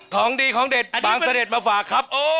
ของดีของเด็ดบางเสด็จมาฝากครับ